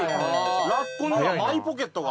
ラッコにはマイポケットが。